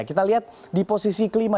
kita lihat di posisi kelima